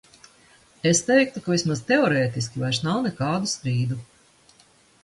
Es teiktu, ka vismaz teorētiski vairs nav nekādu strīdu.